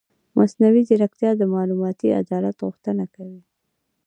مصنوعي ځیرکتیا د معلوماتي عدالت غوښتنه کوي.